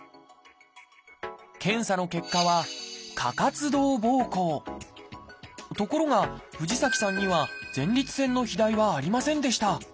検査の結果はところが藤崎さんには前立腺の肥大はありませんでした。